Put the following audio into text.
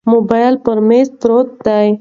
موبایل پر مېز پروت دی.